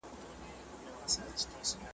لا یې تنده ورځ په ورځ پسي زیاتیږي `